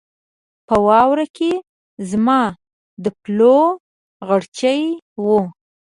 په واوره کې زما د پلوو غرچی و